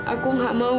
aku juga tak mau mencoba